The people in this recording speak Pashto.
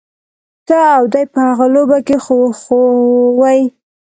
ته او دی په هغه لوبه کي خو خوئ.